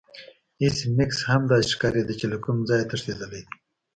ایس میکس هم داسې ښکاریده چې له کوم ځای تښتیدلی دی